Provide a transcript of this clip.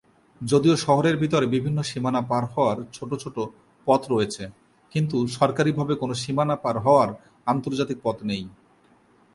যদিও শহরের ভেতর বিভিন্ন সীমানা পার হওয়ার ছোট ছোট পথ রয়েছে, কিন্তু সরকারিভাবে কোন সীমানা পার হওয়ার আন্তর্জাতিক পথ নেই।